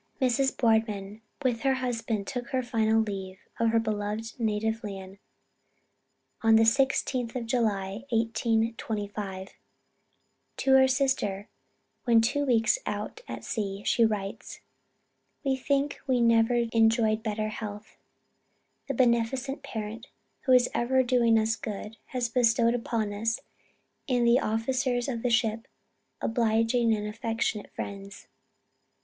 " Mrs. Boardman with her husband took her final leave of her beloved native land on the 16th of July, 1825. To her sister, when two weeks out at sea, she writes: "We think we never enjoyed better health. That beneficent Parent, who is ever doing us good, has bestowed upon us, in the officers of the ship, obliging and affectionate friends....